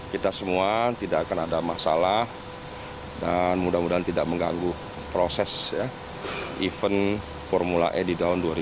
kita semua tidak akan ada masalah dan mudah mudahan tidak mengganggu proses event formula e di tahun dua ribu dua puluh